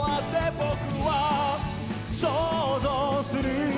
「僕は想像する」